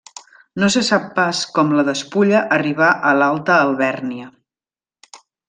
No se sap pas com la despulla arribà a l'Alta Alvèrnia.